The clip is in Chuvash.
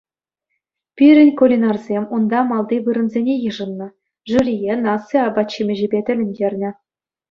Пирӗн кулинарсем унта малти вырӑнсене йышӑннӑ, жюрие наци апат-ҫимӗҫӗпе тӗлӗнтернӗ.